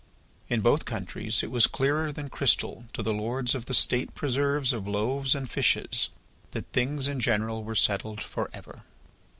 In both countries it was clearer than crystal to the lords of the State preserves of loaves and fishes, that things in general were settled for ever.